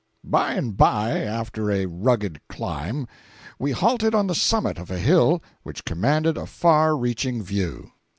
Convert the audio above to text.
By and by, after a rugged climb, we halted on the summit of a hill which commanded a far reaching view.